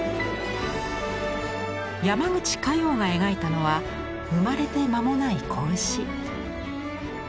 山口華楊が描いたのは生まれて間もない子牛。